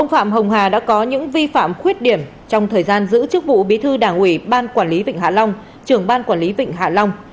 phạm hồng hà đã có những vi phạm khuyết điểm trong thời gian giữ chức vụ bí thư đảng ủy ban quản lý vịnh hạ long trưởng ban quản lý vịnh hạ long